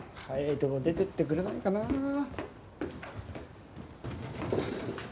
早いとこ出ていってくれないかなあ。